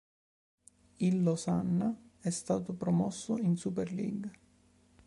Il Losanna è stato promosso in Super League.